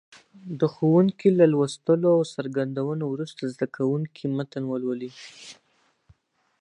د ښوونکي له لوستلو او څرګندونو وروسته زده کوونکي متن ولولي.